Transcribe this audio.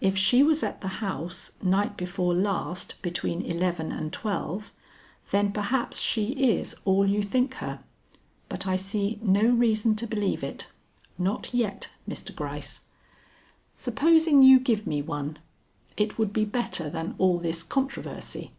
"If she was at the house night before last between eleven and twelve, then perhaps she is all you think her. But I see no reason to believe it not yet, Mr. Gryce. Supposing you give me one. It would be better than all this controversy.